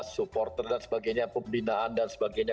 supporter dan sebagainya pembinaan dan sebagainya